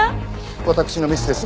私のミスです。